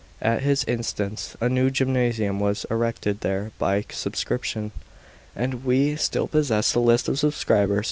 At his instance a new gymnasium was erected there by subscription, and we still possess the list of subscribers.